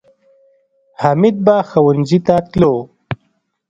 حمید به ښوونځي ته تلو